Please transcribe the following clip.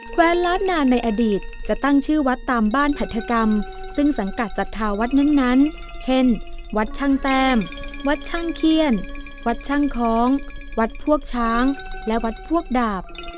แว้นล้านนานในอดีตจะตั้งชื่อวัดตามบ้านผัฐกรรมซึ่งสังกัดศรัทธาวัดนั้นเช่นวัดช่างแต้มวัดช่างเขี้ยนวัดช่างคล้องวัดพวกช้างและวัดพวกดาบ